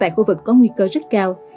tại khu vực có nguy cơ rất cao